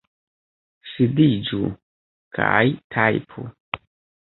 Sidiĝu kaj tajpu!